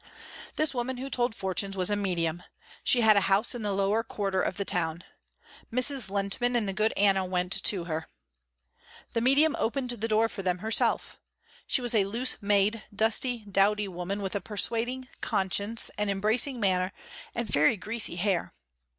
This woman who told fortunes was a medium. She had a house in the lower quarter of the town. Mrs. Lehntman and the good Anna went to her. The medium opened the door for them herself. She was a loose made, dusty, dowdy woman with a persuading, conscious and embracing manner and very greasy hair.